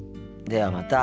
ではまた。